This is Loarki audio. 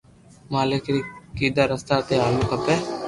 مالڪ ري ڪيدا رستہ تو ھالوُ کپي